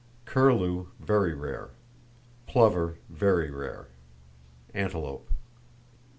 Curlew, very rare; plover, very rare; antelope.